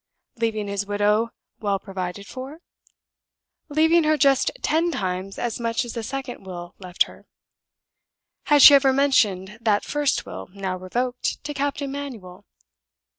'Leaving his widow well provided for?' Leaving her just ten times as much as the second will left her. 'Had she ever mentioned that first will, now revoked, to Captain Manuel?